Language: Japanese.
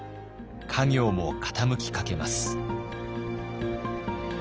家業も傾きかけます。